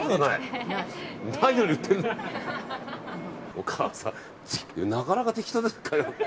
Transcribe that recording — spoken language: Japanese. お母さん、なかなか適当ですね。